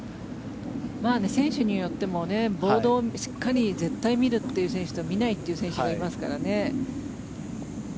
選手によってもボードをしっかり、絶対見るという選手と見ないという選手がいますからね。